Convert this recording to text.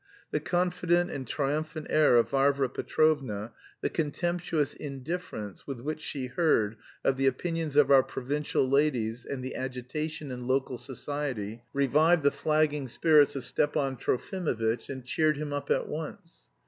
The confident and triumphant air of Varvara Petrovna, the contemptuous indifference with which she heard of the opinions of our provincial ladies and the agitation in local society, revived the flagging spirits of Stepan Trofimovitch and cheered him up at once.